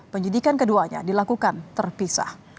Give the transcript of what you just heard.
penyidikan keduanya dilakukan terpisah